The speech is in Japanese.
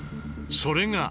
それが。